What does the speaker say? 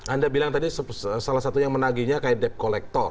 anda bilang tadi salah satu yang menagihnya kayak debt collector